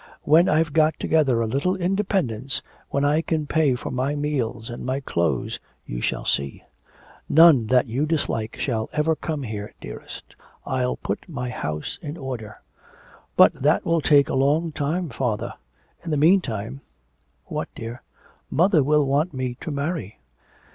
When I've got together a little independence, when I can pay for my meals and my clothes, you shall see; none that you dislike shall ever come here, dearest. I'll put my house in order.' 'But that will take a long time, father; in the meantime ' 'What, dear?' 'Mother will want me to marry.'